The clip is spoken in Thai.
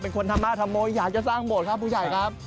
เป็นคนทำมาทำโมยอยากจะสร้างโบสถ์ครับผู้ชายครับ